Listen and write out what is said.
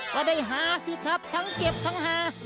ก็ได้หาสิครับทั้งเจ็บทั้งหา